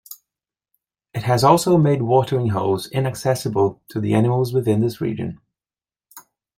It has also made watering holes inaccessible to the animals within this region.